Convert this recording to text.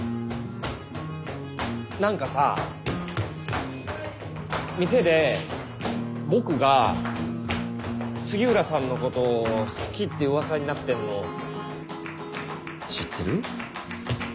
何かさ店で僕が杉浦さんのことを好きってうわさになってるの知ってる？